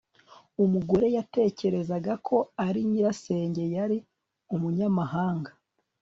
Umugore yatekerezaga ko ari nyirasenge yari umunyamahanga